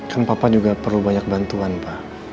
kan papa juga perlu banyak bantuan pak